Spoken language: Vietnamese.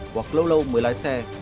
hoặc lâu lâu mới lái xe